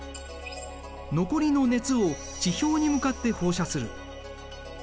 残りの熱を地表に向かって放射する。